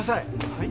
はい？